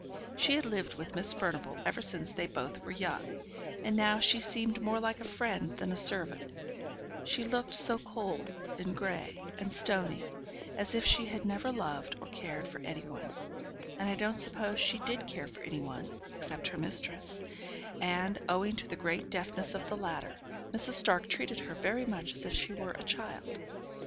She had lived with Miss Furnivall ever since they both were young, and now she seemed more like a friend than a servant; she looked so cold, and grey, and stony, as if she had never loved or cared for any one; and I don't suppose she did care for any one, except her mistress; and, owing to the great deafness of the latter, Mrs. Stark treated her very much as if she were a child.